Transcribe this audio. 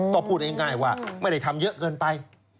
ก็พูดง่ายว่าไม่ได้ทำเยอะเกินไป